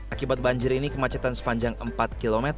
akibat banjir ini kemacetan sepanjang empat km